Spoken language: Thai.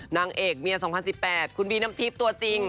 นางเอกเมีย๒๐๑๘คุณบีน้ำทิพย์ตัวจริง